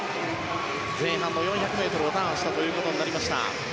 前半の４００ｍをターンしたということになりました。